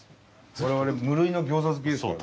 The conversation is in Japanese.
我々無類の餃子好きですからね。